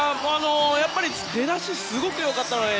やっぱり出だしすごく良かったです